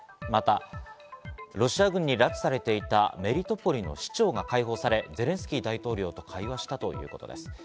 またロシア軍に拉致されていたメリトポリの市長が開放され、ゼレンスキー大統領と会話したということです。